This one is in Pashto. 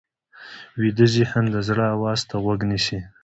ویده ذهن د زړه آواز ته غوږ نیسي